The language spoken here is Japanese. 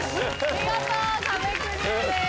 見事壁クリアです。